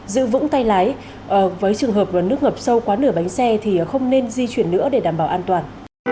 giữ vững tay lái với trường hợp nước ngập sâu quá nửa bánh xe thì không nên di chuyển nữa để đảm bảo an toàn